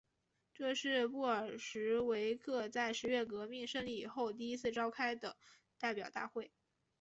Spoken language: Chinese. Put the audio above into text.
这是布尔什维克在十月革命胜利以后第一次召开的代表大会。